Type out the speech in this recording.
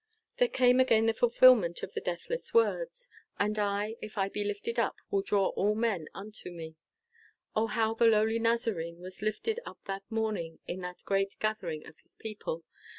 There came again the fulfillment of the deathless words, "And I, if I be lifted up, will draw all men unto me!" O, how the lowly Nazarene was lifted up that morning in that great gathering of his people!